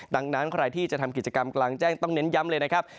ดังนั้นใครที่จะทำกิจกรรมกลางแจ้งต้องเน้นย้ำเลยนะครับ